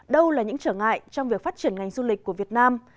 đâu là những trở ngại trong việc phát triển ngành du lịch của việt nam